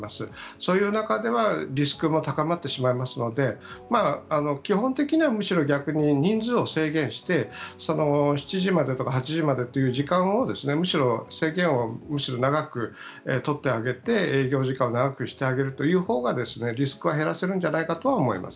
そういう中ではリスクも高まってしまいますので基本的には人数を制限して７時までとか８時までという時間制限をむしろ長く取ってあげて営業時間を長くしてあげるほうがリスクは減らせるのではと思います。